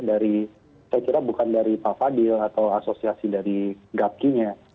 saya kira bukan dari pak fadil atau asosiasi dari gapki nya